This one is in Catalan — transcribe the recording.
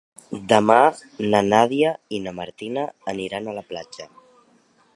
Demà na Nàdia i na Martina aniran a la platja.